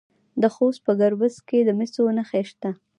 د خوست په ګربز کې د مسو نښې شته.